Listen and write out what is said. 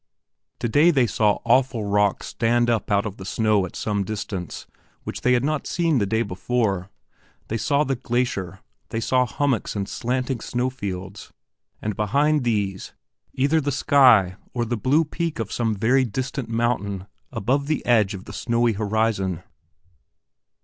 Today they saw awful rocks stand up out of the snow at some distance which they had not seen the day before; they saw the glacier, they saw hummocks and slanting snow fields, and behind these, either the sky or the blue peak of some very distant mountain above the edge of the snowy horizon.